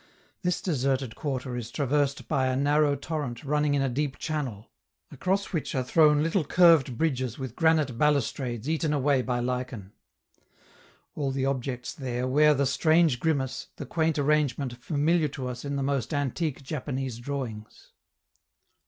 This deserted quarter is traversed by a narrow torrent running in a deep channel, across which are thrown little curved bridges with granite balustrades eaten away by lichen. All the objects there wear the strange grimace, the quaint arrangement familiar to us in the most antique Japanese drawings.